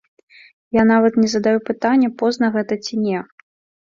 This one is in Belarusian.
Я нават не задаю пытанне, позна гэта ці не.